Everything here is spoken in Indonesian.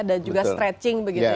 dan juga stretching begitu ya